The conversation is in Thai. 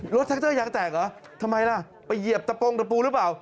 แท็กเตอร์ยางแตกเหรอทำไมล่ะไปเหยียบตะโปรงตะปูหรือเปล่า